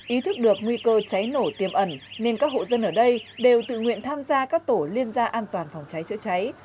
ý thức được nguy cơ cháy nổ tiêm ẩn nên các hộ dân ở đây đều tự nguyện tham gia các tổ liên gia an toàn phòng cháy chữa cháy